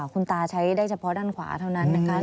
คุณตาใช้ได้เฉพาะด้านขวาเท่านั้นนะคะ